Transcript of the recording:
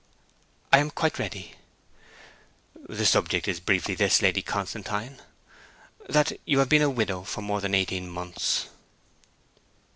'I am quite ready.' 'The subject is briefly this, Lady Constantine: that you have been a widow for more than eighteen months.'